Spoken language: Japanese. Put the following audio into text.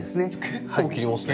結構切りますね。